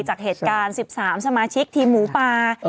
จากเหตุการณ์๑๓สมาชิกทีมหมูป่า